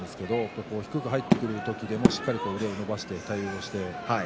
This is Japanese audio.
低く入っていく時でもしっかりと手を伸ばしていました。